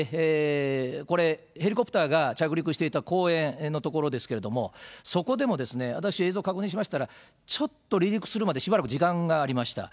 これ、ヘリコプターが着陸していた公園の所ですけれども、そこでも、私、映像確認しましたら、ちょっと離陸するまでしばらく時間がありました。